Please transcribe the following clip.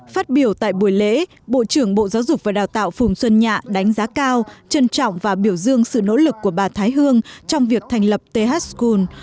phát biểu tại buổi lễ bộ trưởng bộ giáo dục và đào tạo phùng xuân nhạ đánh giá cao trân trọng và biểu dương sự nỗ lực của bà thái hương trong việc thành lập ths cul